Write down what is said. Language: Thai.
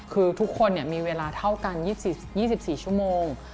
คือทุกคนมีเวลาเท่ากัน๒๔ชั่วโมง